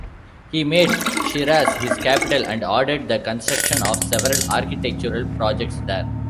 He made Shiraz his capital and ordered the construction of several architectural projects there.